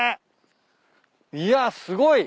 いやすごい！